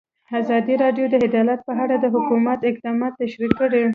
ازادي راډیو د عدالت په اړه د حکومت اقدامات تشریح کړي.